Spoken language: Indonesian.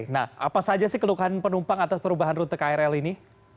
nah apa saja sih keluhan penumpang atas perubahan rute krl ini